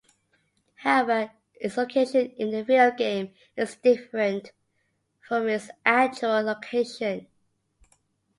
However, its location in the video game is different from its actual location.